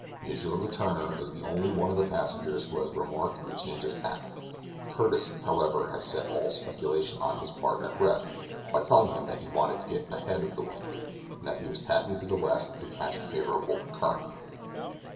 M. Letourneur is the only one of all the passengers who has remarked the change of tack; Curtis, however, has set all speculation on his part at rest by telling him that he wanted to get ahead of the wind, and that he was tacking to the west to catch a favorable current.